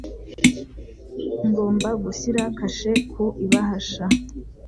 Ngomba gushyira kashe ku ibahasha.